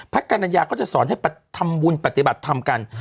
พระกัณญาก็จะสอนให้ปฏิบัติธรรมกัน